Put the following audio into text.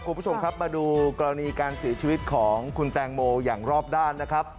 คุณผู้ชมครับมาดูกรณีการเสียชีวิตของคุณแตงโมอย่างรอบด้านนะครับ